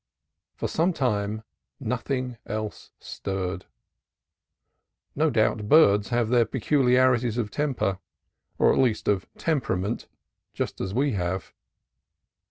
For some time nothing else stirred. No doubt birds have their peculiarities of temper, or at least of tem perament, just as we have.